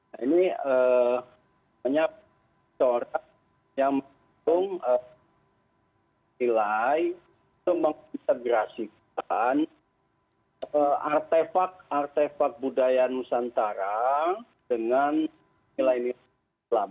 nah ini banyak seorang yang mendukung nilai untuk mengintegrasikan artefak artefak budaya nusantara dengan nilai nilai islam